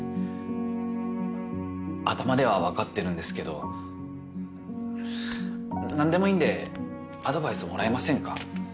頭では分かってるんですけど何でもいいんでアドバイスもらえませんか？